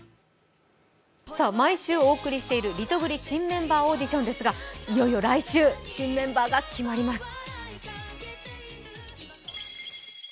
毎週お送りしているリトグリ新メンバーオーディションですがいよいよ来週、新メンバーが決まります。